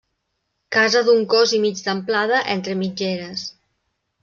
Casa d'un cos i mig d'amplada, entre mitgeres.